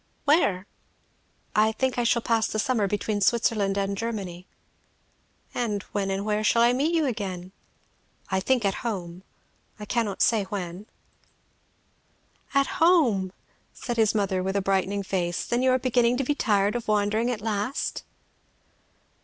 "Where?" "I think I shall pass the summer between Switzerland and Germany." "And when and where shall I meet you again?" "I think at home; I cannot say when." "At home!" said his mother with a brightening face. "Then you are beginning to be tired of wandering at last?"